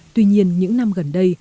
tuy nhiên những năm gần đây